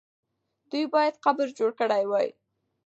دوی باید قبر جوړ کړی وای.